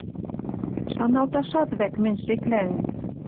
Шаналташат вӓк мӹнь шеклӓнем.